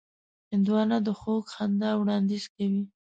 هندوانه د خوږ خندا وړاندیز کوي.